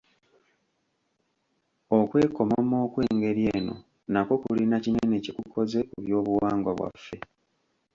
Okwekomomma okw’engeri eno nakwo kulina kinene kye kukoze mu Byobuwangwa bwaffe.